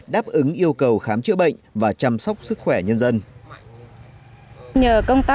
đáp ứng yêu cầu khám chữa bệnh và chăm sóc sức khỏe nhân dân